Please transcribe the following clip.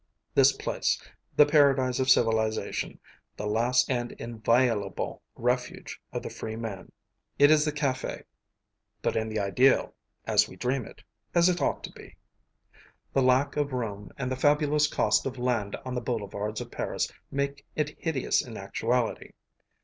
This place, the paradise of civilization, the last and inviolable refuge of the free man, is the café. It is the café; but in the ideal, as we dream it, as it ought to be. The lack of room and the fabulous cost of land on the boulevards of Paris make it hideous in actuality.